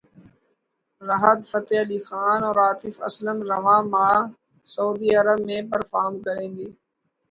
راحت فتح علی خان اور عاطف اسلم رواں ماہ سعودی عرب میں پرفارم کریں گے